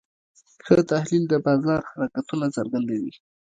ښه تحلیل د بازار حرکتونه څرګندوي.